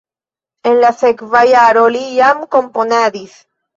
En la sekva jaro li jam komponadis.